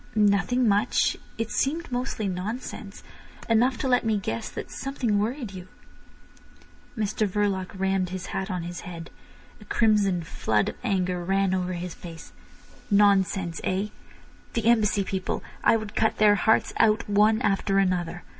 "Nothing much. It seemed mostly nonsense. Enough to let me guess that something worried you." Mr Verloc rammed his hat on his head. A crimson flood of anger ran over his face. "Nonsense—eh? The Embassy people! I would cut their hearts out one after another.